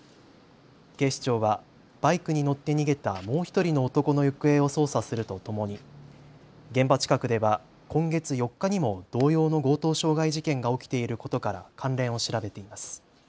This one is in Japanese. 警視庁はバイクに乗って逃げたもう１人の男の行方を捜査するとともに現場近くでは今月４日にも同様の強盗傷害事件が起きていることから関連を調べています。